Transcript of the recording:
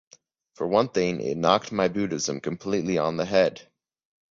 For one thing, it knocked my Buddhism completely on the head.